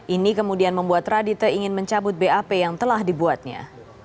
ini kemudian membuat radite ingin mencabut bap yang telah dibuatnya